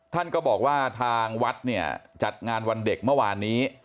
ท่านก็บอกว่าทางวัดเนี่ยจัดงานวันเด็กเมื่อวานนี้